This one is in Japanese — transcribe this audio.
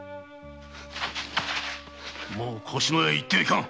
もう越乃屋へ行ってはならん！